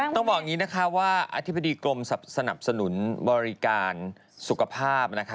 ต้องบอกอย่างนี้นะคะว่าอธิบดีกรมสนับสนุนบริการสุขภาพนะคะ